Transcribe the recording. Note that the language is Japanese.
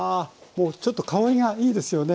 もうちょっと香りがいいですよね！